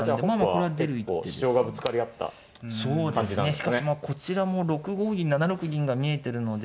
しかしこちらも６五銀７六銀が見えてるので。